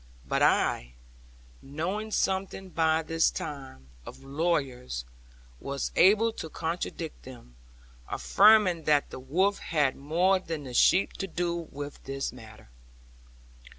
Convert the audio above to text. But I, knowing something by this time, of lawyers, was able to contradict them; affirming that the wolf had more than the sheep to do with this matter.